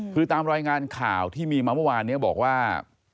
คือตามรายงานข่าวที่มีมาเมื่อวานนี้บอกว่า